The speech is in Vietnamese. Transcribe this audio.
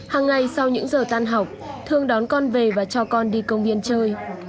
hằng ngày sau những giờ tan học thường đón con về và cho con đi công viên chơi